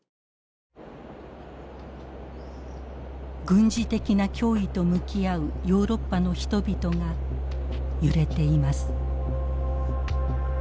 軍事的な脅威と向き合うヨーロッパの人々が揺れています。